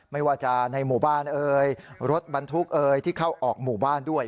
ไม่ว่าจะในหมู่บ้านเอ่ยรถบรรทุกเอ่ยที่เข้าออกหมู่บ้านด้วย